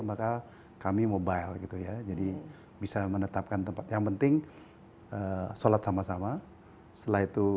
maka kami mobile gitu ya jadi bisa menetapkan tempat yang penting sholat sama sama setelah itu